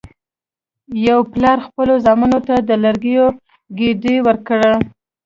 یو پلار خپلو زامنو ته د لرګیو ګېډۍ ورکړه.